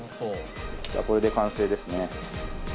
じゃあこれで完成ですね。